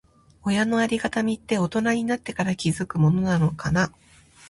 親のありがたみって、大人になってから気づくものなのかな。